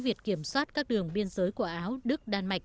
việc kiểm soát các đường biên giới của áo đức đan mạch